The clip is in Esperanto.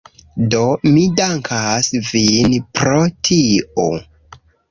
Do, mi dankas vin pro tio